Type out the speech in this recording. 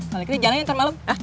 maleketnya jalannya ntar malem